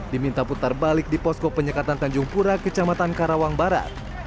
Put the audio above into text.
diminta putar balik di posko penyekatan tanjung pura kecamatan karawang barat